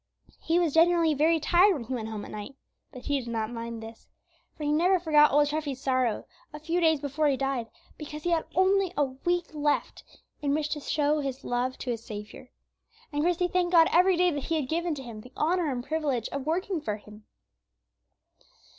He was generally very tired when he went home at night, but he did not mind this. For he never forgot old Treffy's sorrow, a few days before he died, because he had only a week left in which to show his love to his Saviour. And Christie thanked God every day that He had given to him the honor and privilege of working for Him.